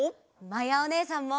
まやおねえさんも！